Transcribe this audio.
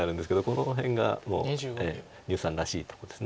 この辺がもう牛さんらしいとこです。